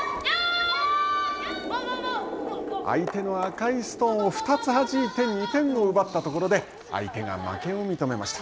相手の赤いストーンを２つはじいて２点を奪ったところで相手が負けを認めました。